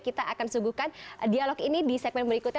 kita akan suguhkan dialog ini di segmen berikutnya